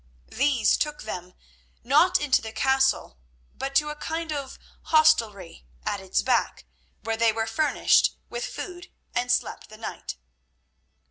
These took them, not into the castle, but to a kind of hostelry at its back, where they were furnished with food and slept the night.